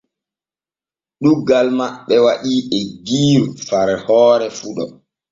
Ɗuuggal maɓɓe waɗii eggiiru far hoore fuɗo.